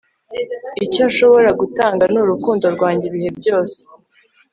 icyo nshobora gutanga ni urukundo rwanjye ibihe byose